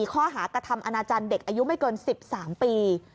ข้อหากระทำอนาจารย์เด็กอายุไม่เกิน๑๓ปี